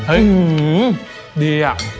อื้อหือดีอะ